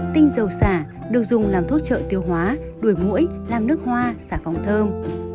tinh dầu xả được dùng làm thuốc trợ tiêu hóa đuổi mũi làm nước hoa xả phóng thơm